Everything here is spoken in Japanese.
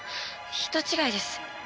人違いです。